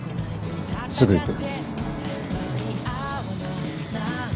すぐ行く。